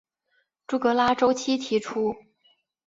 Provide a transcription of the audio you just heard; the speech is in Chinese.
朱格拉周期提出。